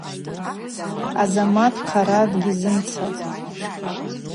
Азамат хъара дыгьзымцатӏ.